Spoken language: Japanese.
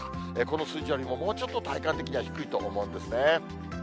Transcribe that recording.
この数字よりももうちょっと体感的には低いと思うんですね。